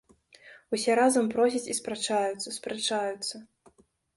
Усе разам просяць і спрачаюцца, спрачаюцца.